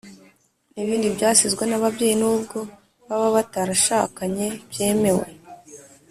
n'ibindi byasizwe n'ababyeyi nubwo baba batarashakanye byemewe